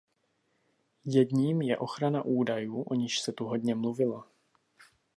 Jedním je ochrana údajů, o níž se tu hodně mluvilo.